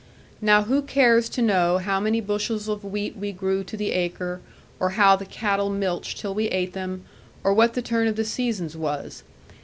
Now who cares to know how many bushels of wheat we grew to the acre, or how the cattle milched till we ate them, or what the turn of the seasons was?